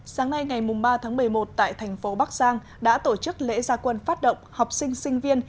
sáng nay ngày ba tháng một mươi một tại thành phố bắc giang đã tổ chức lễ gia quân phát động học sinh sinh viên